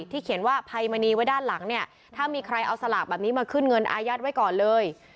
เขียนว่าภัยมณีไว้ด้านหลังเนี่ยถ้ามีใครเอาสลากแบบนี้มาขึ้นเงินอายัดไว้ก่อนเลย